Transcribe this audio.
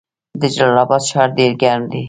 د جلال اباد ښار ډیر ګرم دی